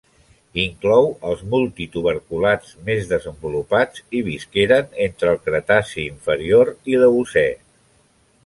Inclou els multituberculats més desenvolupats i visqueren entre el Cretaci inferior i l'Eocè.